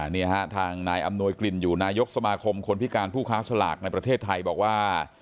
นี่ฮะทางนายอำนวยกลิ่นอยู่นายกสมาคมคนพิการผู้ค้าสลากในประเทศไทยบอกว่า